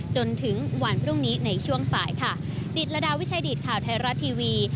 จนถึงวันพรุ่งนี้ในช่วงสายค่ะดิตระดาวิชัยดิตข่าวไทยรัฐทีวี